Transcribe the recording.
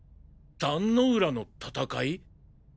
壇ノ浦の戦い？